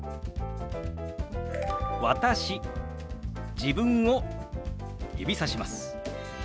自分を指さします。